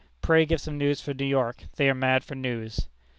_ Pray give some news for New York; they are mad for news."